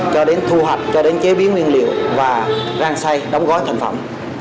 cho đến thu hoạch cho đến chế biến nguyên liệu và răng xay đóng gói thành phẩm